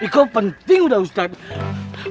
kau penting udah ustadz